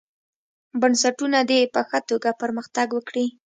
بنسټونه دې په ښه توګه پرمختګ وکړي.